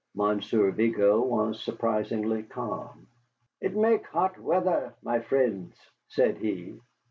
Monsieur Vigo was surprisingly calm. "It make hot weather, my frens," said he.